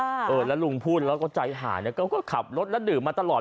เออแล้วลุงพูดแล้วก็ใจหายนะก็ขับรถแล้วดื่มมาตลอด